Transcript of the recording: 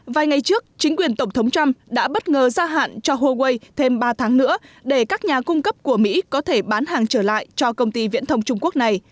vài ngày trước chính quyền tổng thống trump đã bất ngờ gia hạn cho huawei thêm ba tháng nữa để các nhà cung cấp của mỹ có thể bán hàng trở lại cho công ty viễn thông trung quốc này